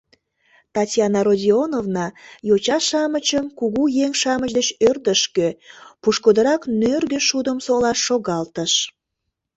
Татьяна Родионовна йоча-шамычым кугу еҥ-шамыч деч ӧрдыжкӧ, пушкыдырак нӧргӧ шудым солаш шогалтыш.